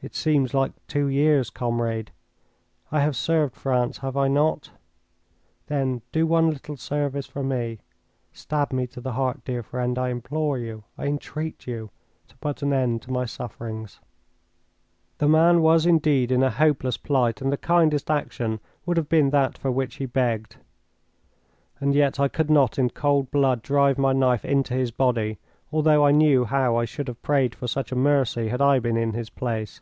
"It seems like two years. Comrade, I have served France, have I not? Then do one little service for me. Stab me to the heart, dear friend! I implore you, I entreat you, to put an end to my sufferings." The man was indeed in a hopeless plight, and the kindest action would have been that for which he begged. And yet I could not in cold blood drive my knife into his body, although I knew how I should have prayed for such a mercy had I been in his place.